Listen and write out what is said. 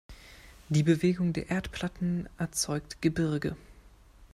Die Bewegung der Erdplatten erzeugt Gebirge.